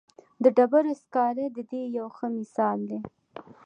د ډبرو سکاره د دې یو ښه مثال دی.